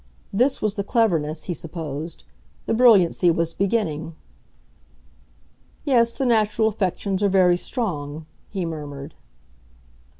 This was the cleverness, he supposed; the brilliancy was beginning. "Yes, the natural affections are very strong," he murmured.